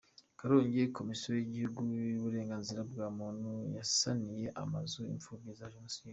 Karongi Komisiyo y’Igihugu y’Uburenganzira bwa Muntu yasaniye amazu imfubyi za Jenoside